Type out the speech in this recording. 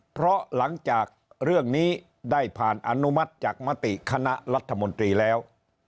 เพราะหลังจากเรื่องนี้ได้ผ่านอนุมัติจากมติคณะรัฐมนตรีแล้ว